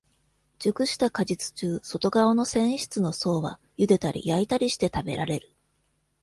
熟した果実中、外側の繊維質の層は、ゆでたり焼いたりして食べられる。